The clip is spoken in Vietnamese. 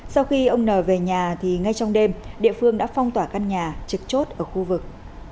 sau khi ông n về nhà thì ngay trong đêm địa phương đã phong tỏa căn nhà trực chốt ở khu vực